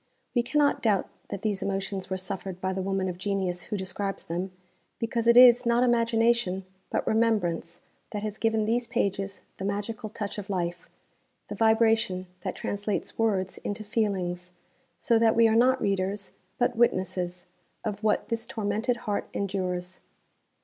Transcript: _ We cannot doubt that these emotions were suffered by the woman of genius who describes them, because it is, not imagination, but remembrance, that has given these pages the magical touch of life, the 'vibration' that translates words 'into feelings,' so that we are not readers, but witnesses, of what this tormented heart endures.